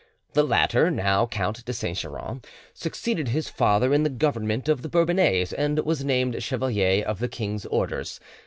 The latter, now Count de Saint Geran, succeeded his father in the government of the Bourbonnais, and was named Chevalier of the King's Orders.